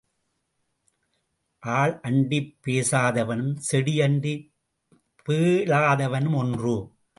ஆள் அண்டிப் பேசாதவனும் செடி அண்டிப் பேளாதவனும் ஒன்று.